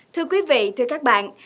thưa quý vị thưa các bạn